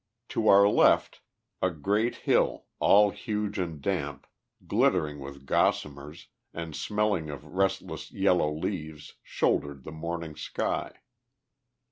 To our left a great hill, all huge and damp, glittering with gossamers, and smelling of restless yellow leaves, shouldered the morning sky.